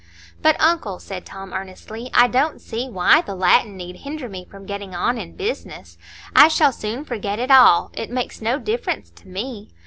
"But, uncle," said Tom, earnestly, "I don't see why the Latin need hinder me from getting on in business. I shall soon forget it all; it makes no difference to me.